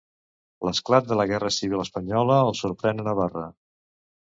L'esclat de la guerra civil espanyola el sorprèn a Navarra.